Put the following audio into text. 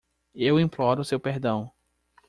Eu imploro seu perdão.